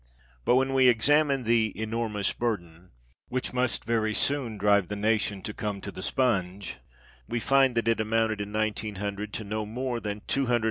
But when we examine the " enormous burden " which must very soon drive the nation to " come to the spunge," we find that it amounted in 1900 to no more than 21 1,000,000.